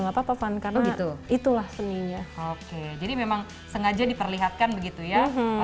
nggak papa fun karena itulah seninya oke jadi memang sengaja diperlihatkan begitu ya